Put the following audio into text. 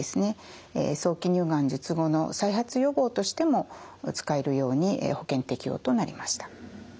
早期乳がん術後の再発予防としても使えるように保険適用となりました。